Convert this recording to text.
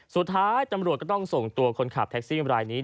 สุดท้ายตำรวจก็ต้องส่งตัวคนขับแท็กซี่รายนี้